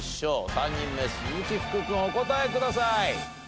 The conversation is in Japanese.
３人目鈴木福君お答えください。